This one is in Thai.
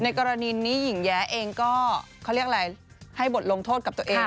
กรณีนี้หญิงแย้เองก็เขาเรียกอะไรให้บทลงโทษกับตัวเอง